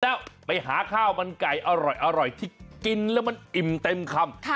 แล้วไปหาข้าวมันไก่อร่อยที่กินแล้วมันอิ่มเต็มคำ